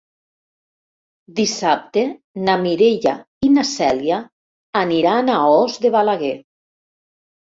Dissabte na Mireia i na Cèlia aniran a Os de Balaguer.